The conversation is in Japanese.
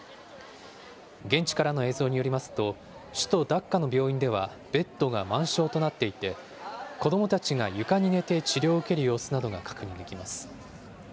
現地からの映像によりますと、首都ダッカの病院では、ベッドが満床となっていて、子どもたちが床に寝て治療を受ける様子などが確認できます。